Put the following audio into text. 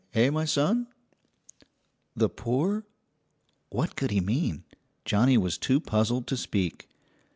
Eh, my son?" "The poor?" What could he mean? Johnnie was too puzzled to speak.